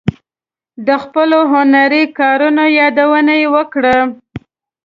د خپلو هنري کارونو یادونه یې وکړه.